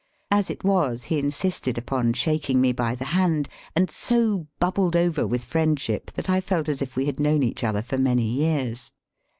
As it was he insisted upon shaking me by the hand, and so bubbled over with friendship that I felt as if we had known each other for many years.